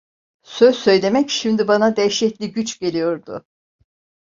Söz söylemek şimdi bana dehşetli güç geliyordu.